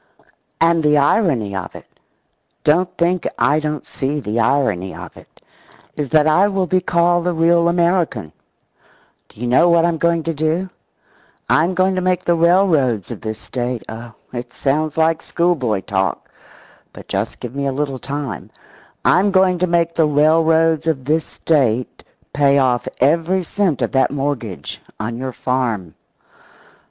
And the irony of it don't think I don't see the irony of it is that I will be called the real American. Do you know what I'm going to do? I'm going to make the railroads of this State oh, it sounds like schoolboy talk, but just give me a little time I'm going to make the railroads of this State pay off every cent of that mortgage on your farm!